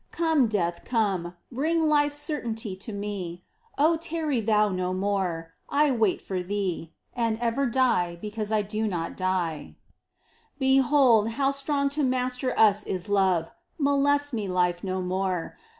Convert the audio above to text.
Come, Death, come, bring life's certainty to me, O tarry thou no more !— I wait for thee, And ever die because I do not die. 8 MINOR WORKS OF ST. TERESA. Behold, how strong to master us is love ! Molest me. Life, no more